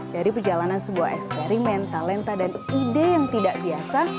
dari perjalanan sebuah eksperimen talenta dan ide yang tidak biasa